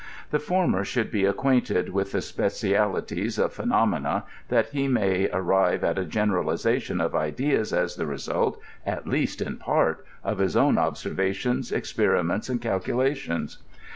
The former should be ac quainted: with the specialities of phenomena, that he may ar rive at a generalization of ideas as the result, at least in part, of his own observations, experiments, and calculations.